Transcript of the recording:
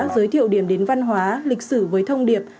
giới thiệu điểm đến văn hóa lịch sử với thông điệp